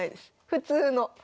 普通の。